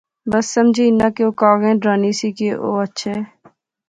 بس سمجھی ہنا او کاغیں ڈرانی سی کہ او اچھے